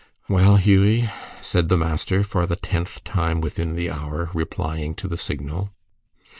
"Well, Hughie," said the master, for the tenth time within the hour replying to the signal.